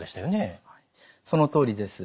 そのとおりです。